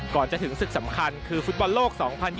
ก่อนจะถึงศึกสำคัญคือฟุตบอลโลก๒๐๒๐